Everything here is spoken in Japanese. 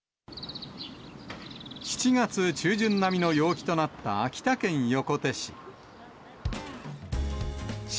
７月中旬並みの陽気となった秋田県横手市。